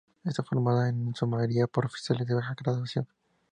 Estaba formada en su mayoría por oficiales de baja graduación.